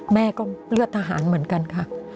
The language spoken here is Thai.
แม่ก็เลือดทหารเหมือนกันค่ะ